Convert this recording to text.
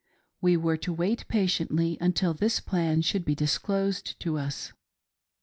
We were to wait patiently until this plan should be disclosed to us.